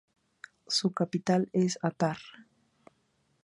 Su capital es Atar.